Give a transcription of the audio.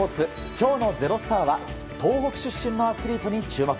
今日の「＃ｚｅｒｏｓｔａｒ」は東北出身のアスリートに注目。